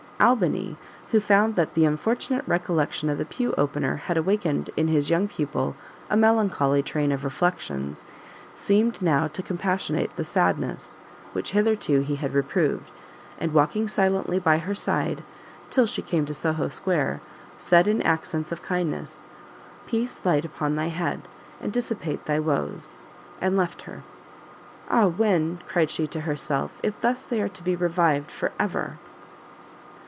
Albany, who found that the unfortunate recollection of the Pew Opener had awakened in his young pupil a melancholy train of reflections, seemed now to compassionate the sadness which hitherto he had reproved, and walking silently by her side till she came to Soho Square, said in accents of kindness, "Peace light upon thy head, and dissipate thy woes!" and left her. "Ah when!" cried she to herself, "if thus they are to be revived for ever!"